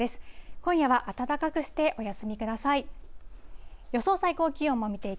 今夜は暖かくしてお休みください。